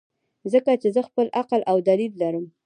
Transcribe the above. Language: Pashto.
ځکه چې زۀ خپل عقل او دليل لرم -